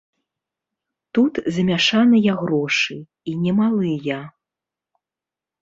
Тут замяшаныя грошы, і немалыя.